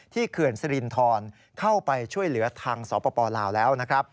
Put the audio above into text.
เขื่อนสิรินทรเข้าไปช่วยเหลือทางสปลาวแล้วนะครับ